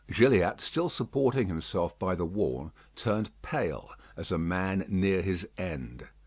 Gilliatt, still supporting himself by the wall, turned pale, as a man near his end.